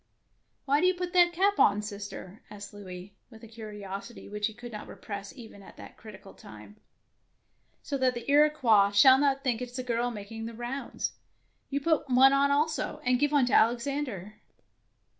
Why do you put that cap on, sister ?" asked Louis, with a curiosity which he could not repress even at that critical time. " So that the Iroquois shall not think that it is a girl making the rounds. You put one on also, and give one to Alex ander.